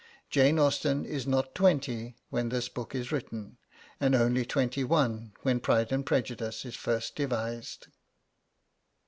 Jane Austen is not twenty when this book is written, and only twenty one when 'Pride and Prejudice' is first devised.